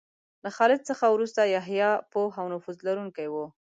له خالد څخه وروسته یحیی پوه او نفوذ لرونکی و.